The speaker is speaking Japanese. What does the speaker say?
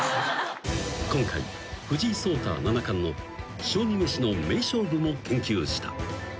［今回藤井聡太七冠の将棋めしの名勝負も研究した］